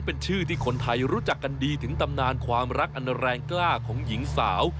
เป็นชื่อที่คนไทยรู้จักกันดีถึงตำนานความรักอันแรงกล้าของหญิงสาว